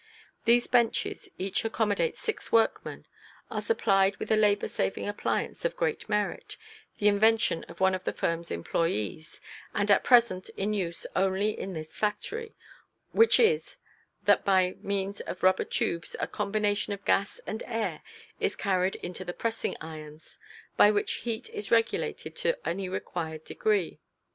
These benches each accommodate six workmen, are supplied with a labor saving appliance of great merit, the invention of one of the firm's employees and at present in use only in this factory, which is, that by means of rubber tubes a combination of gas and air is carried into the pressing irons, by which heat is regulated to any required degree.